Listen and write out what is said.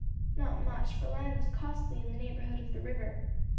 Not much, for land was costly in the neighborhood of the river.